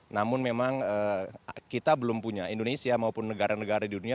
namun memang kita belum punya indonesia maupun negara negara di dunia